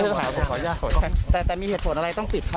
ขออนุญาตแต่แต่มีเหตุผลอะไรต้องปิดครับ